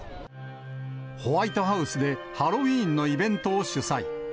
ホワイトハウスでハロウィーンのイベントを主催。